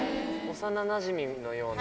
幼なじみのような。